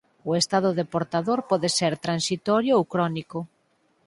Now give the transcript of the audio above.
O estado de portador pode ser transitorio ou crónico.